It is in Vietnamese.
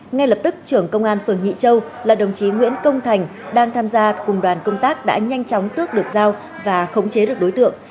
ngay lập tức trưởng công an phường nhị châu là đồng chí nguyễn công thành đang tham gia cùng đoàn công tác đã nhanh chóng tước được giao và khống chế được đối tượng